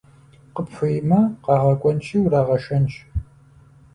Къыпхуеймэ, къагъэкӀуэнщи урагъэшэнщ.